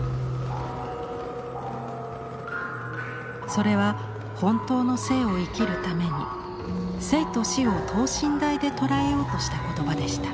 それは本当の生を生きるために生と死を等身大で捉えようとした言葉でした。